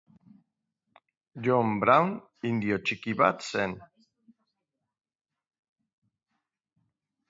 Jon Braun indio txiki bat zen.